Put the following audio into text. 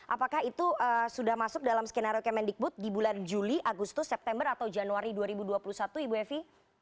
apakah itu sudah masuk dalam skenario kemendikbud di bulan juli agustus september atau januari dua ribu dua puluh satu ibu evi